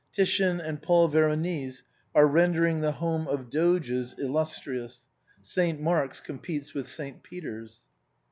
Titian and Paul Veronese are rendering the home of the Doges illus trious. Saint Mark's competes with Saint Peter's.